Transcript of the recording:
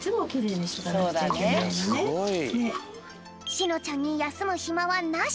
しのちゃんにやすむひまはなし。